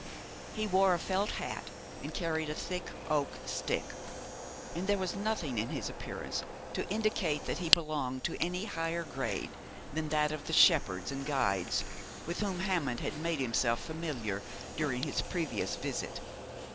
He wore a felt hat, and carried a thick oak stick, and there was nothing in his appearance to indicate that he belonged to any higher grade than that of the shepherds and guides with whom Hammond had made himself familiar during his previous visit.